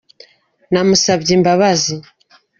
namusabye imbabazi.